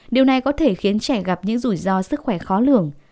điều này có thể khiến trẻ gặp những rủi ro sức khỏe khó lường